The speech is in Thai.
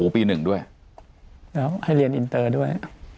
ปี๑ด้วยแล้วให้เรียนอินเตอร์ด้วย